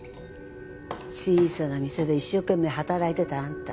小さな店で一生懸命働いてたあんた